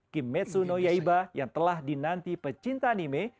kimetsu no yaiba yang telah dinanti pecinta anime